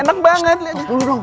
enak banget liat